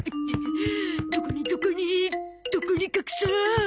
どこにどこにどこに隠そう。